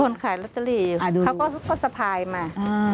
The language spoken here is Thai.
คนขายรัตเตอรี่อยู่เขาก็สะพายมา